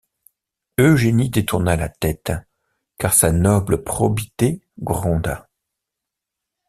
Eugénie détourna la tête, car sa noble probité gronda.